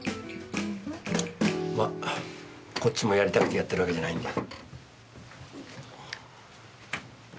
まこっちもやりたくてやってるわけじゃないんで。